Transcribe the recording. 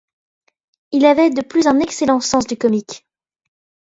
Il avait de plus un excellent sens du comique.